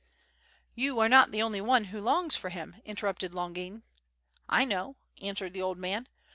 "You are not the only one, who longs for him," inter rupted Longin. "1 know it," answered the old man.